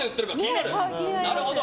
なるほど。